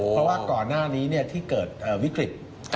เพราะว่าก่อนหน้านี้ที่เกิดวิกฤต